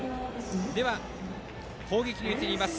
では、攻撃に移ります